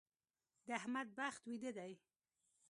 د احمد بخت ويده دی.